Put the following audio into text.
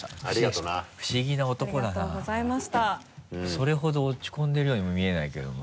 それほど落ち込んでるようにも見えないけども。